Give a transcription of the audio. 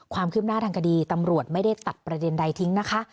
ความคืบหน้าทางคดีตำรวจไม่ได้ตัดประเด็นใดทิ้งนะคะ